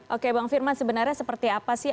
oke bang firman sebenarnya seperti apa sih